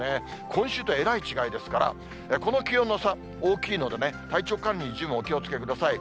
今週とえらい違いですから、この気温の差、大きいのでね、体調管理に十分お気をつけください。